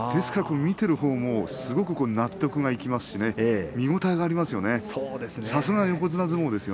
見ているほうもすごく納得がいきますし見応えがありますよね。